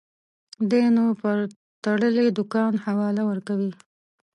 دى نو پر تړلي دوکان حواله ورکوي.